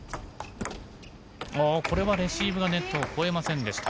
これはレシーブがネットを越えませんでした。